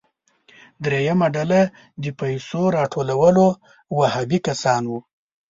دریمه ډله د پیسو راټولولو وهابي کسان وو.